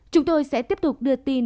chúng tôi sẽ tiếp tục đưa tin